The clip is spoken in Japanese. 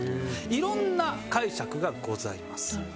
いろんな解釈がございます。